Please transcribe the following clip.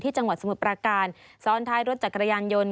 จังหวัดสมุทรประการซ้อนท้ายรถจักรยานยนต์